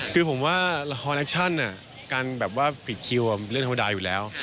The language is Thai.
คือผมว่าละครแอคชั่นการแบบว่าผิดคิวเรื่องธรรมดาอยู่แล้ว